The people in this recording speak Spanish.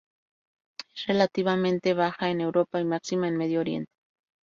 Es relativamente baja en Europa y máxima en medio oriente.